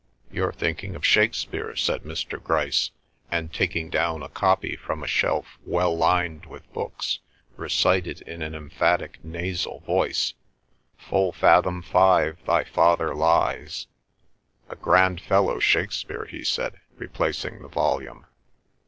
"You're thinking of Shakespeare," said Mr. Grice, and taking down a copy from a shelf well lined with books, recited in an emphatic nasal voice: "Full fathom five thy father lies, "A grand fellow, Shakespeare," he said, replacing the volume.